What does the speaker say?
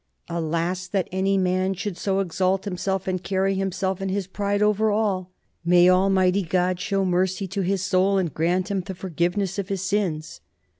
Alas! that any man should so exalt himself, and carry himself in his pride over all ! May Almighty God show mercy to his soul, and grant him the forgiveness of his sins!